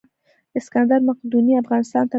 اسکندر مقدوني افغانستان ته راغلی و